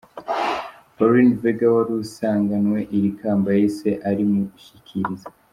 Pauline Vega wari usanganywe iri kamba yahise arimushyikiriza.